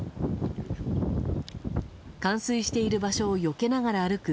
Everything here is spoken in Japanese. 冠水している場所をよけながら歩く